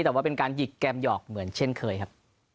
แต่ว่าเป็นการหยิกแกมหยอกเหมือนเช่นเคยครับ